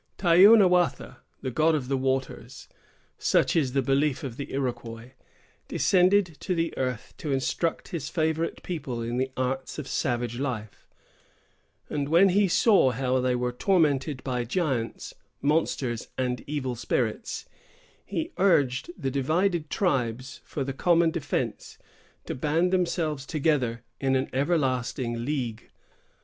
Taounyawatha, the God of the Waters——such is the belief of the Iroquois——descended to the earth to instruct his favorite people in the arts of savage life; and when he saw how they were tormented by giants, monsters, and evil spirits, he urged the divided tribes, for the common defence, to band themselves together in an everlasting league.